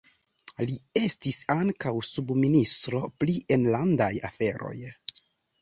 Li estis ankaŭ subministro pri enlandaj aferoj.